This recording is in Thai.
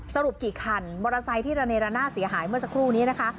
สรุปกี่คันมอเตอร์ไซค์ที่ระเนระนาดเสียหายเมื่อสักครู่นี้นะคะ